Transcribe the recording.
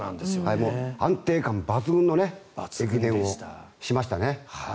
安定感抜群の駅伝をしましたね。